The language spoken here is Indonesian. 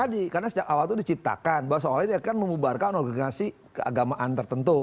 tadi karena sejak awal itu diciptakan bahwa seolah dia akan memubarkan organisasi keagamaan tertentu